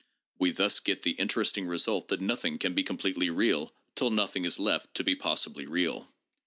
We thus get the inter esting result that nothing can be completely real till nothing is left to be possibly real.